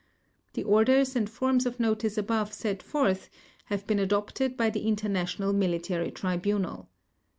The Orders and Forms of Notice above set forth have been adopted by the International Military Tribunal.